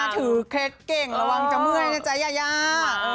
ถือเคล็ดเก่งระวังจะเหมือยนั้นจะยายา